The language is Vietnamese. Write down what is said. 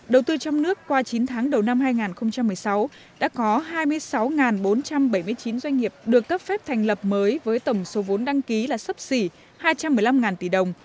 đầu tư trong nước qua chín tháng đầu năm hai nghìn một mươi sáu đã có hai mươi sáu bốn trăm bảy mươi chín doanh nghiệp được cấp phép thành lập mới với tổng số vốn đăng ký là sấp xỉ hai trăm một mươi năm tỷ đồng